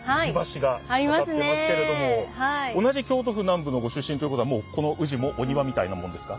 同じ京都府南部のご出身ということはこの宇治もお庭みたいなもんですか？